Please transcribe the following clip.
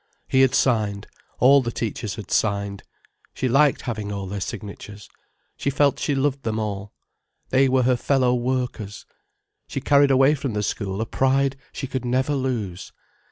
He had signed, all the teachers had signed. She liked having all their signatures. She felt she loved them all. They were her fellow workers. She carried away from the school a pride she could never lose.